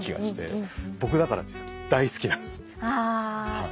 はい。